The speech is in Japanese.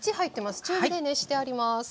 中火で熱してあります。